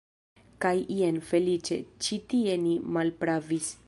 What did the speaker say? Kaj jen, feliĉe, ĉi tie ni malpravis.